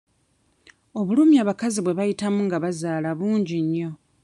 Obulumi abakazi bwe bayitamu nga bazaala bungi nnyo.